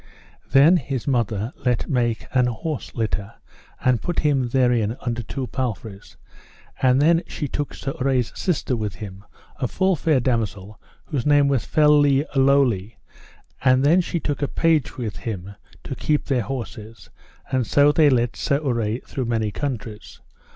Then his mother let make an horse litter, and put him therein under two palfreys; and then she took Sir Urre's sister with him, a full fair damosel, whose name was Felelolie; and then she took a page with him to keep their horses, and so they led Sir Urre through many countries.